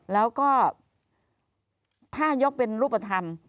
แล้วก็ถ้ายกเป็นรูปธรรม